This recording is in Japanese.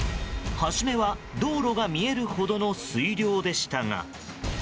初めは道路が見えるほどの水量でしたが。